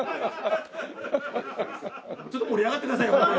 ちょっと盛り上がってくださいよ！